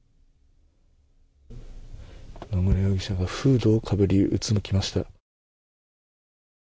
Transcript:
野村容疑者がフードをかぶりうつむきました。